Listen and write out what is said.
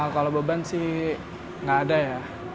kalau beban sih nggak ada ya